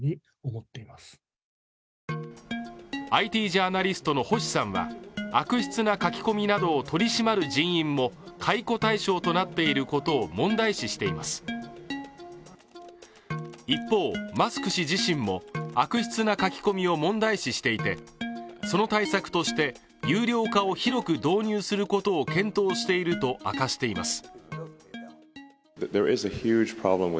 ＩＴジャーナリストの星さんは悪質な書き込みなどを取り締まる人員も解雇対象となっていることを問題視しています一方、マスク氏自身も悪質な書き込みを問題視していて、その対策として有料化を広く導入することを検討していると明かしています